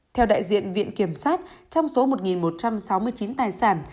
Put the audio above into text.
theo đại diện viện kiểm sát trong số một một trăm sáu mươi chín tài sản